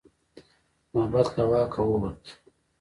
نوبت له واکه ووت.